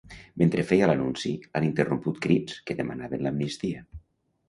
Mentre feia l’anunci, l’han interromput crits que demanaven l’amnistia.